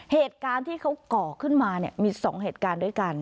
เหตุการณ์ที่เขาก่อขึ้นมามี๒เหตุการณ์ด้วยกัน